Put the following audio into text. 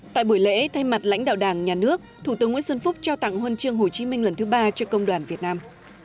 tại buổi lễ thay mặt lãnh đạo đảng nhà nước thủ tướng nguyễn xuân phúc trao tặng huân chương hồ chí minh lần thứ ba cho công đoàn việt nam